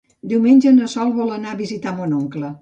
Diumenge na Sol vol anar a visitar mon oncle.